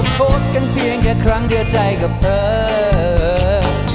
โปรดกันเพียงแค่ครั้งเดียวใจก็เพลิน